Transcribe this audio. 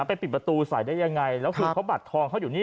ไปปิดประตูใส่ได้ยังไงแล้วคือเขาบัตรทองเขาอยู่นี่